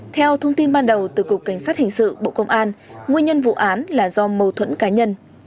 theo thông tin ban đầu từ cục cảnh sát hình sự bộ công an nguyên nhân vụ án là do mâu thuẫn cá nhân